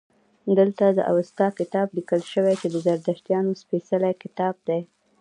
دلته د اوستا کتاب لیکل شوی چې د زردشتیانو سپیڅلی کتاب دی